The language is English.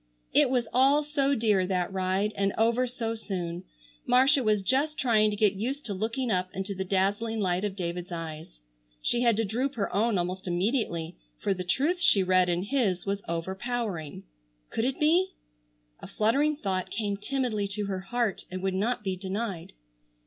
It was all so dear, that ride, and over so soon. Marcia was just trying to get used to looking up into the dazzling light of David's eyes. She had to droop her own almost immediately for the truth she read in his was overpowering. Could it be? A fluttering thought came timidly to her heart and would not be denied.